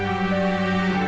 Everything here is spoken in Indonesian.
dia berusia lima belas tahun